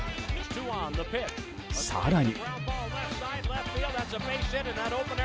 更に。